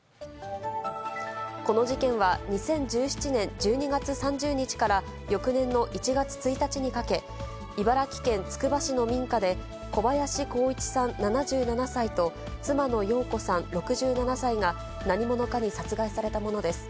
この事件は２０１７年１２月３０日から翌年の１月１日にかけ、茨城県つくば市の民家で、小林孝一さん７７歳と、妻の揚子さん６７歳が、何者かに殺害されたものです。